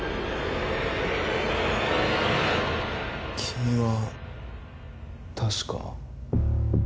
君は確か。